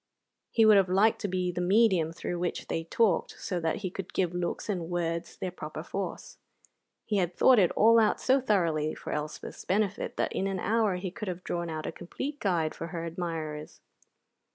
He would have liked to be the medium through which they talked, so that he could give looks and words their proper force. He had thought it all out so thoroughly for Elspeth's benefit that in an hour he could have drawn out a complete guide for her admirers.